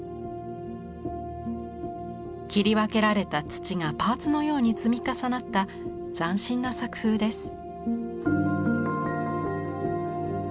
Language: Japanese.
切り分けられた土がパーツのように積み重なった斬新な作風です。